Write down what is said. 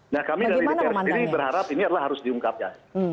nah kami dari dpr sendiri berharap ini adalah harus diungkapkan